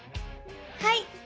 はい。